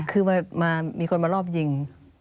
คือมีคนมารอบยิง